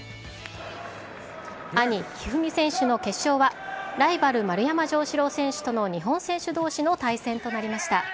兄、一二三選手の決勝は、ライバル、丸山城志郎選手との日本選手どうしの対戦となりました。